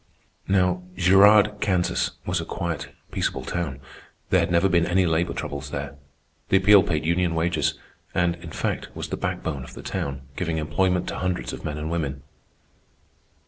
Now Girard, Kansas, was a quiet, peaceable town. There had never been any labor troubles there. The Appeal paid union wages; and, in fact, was the backbone of the town, giving employment to hundreds of men and women.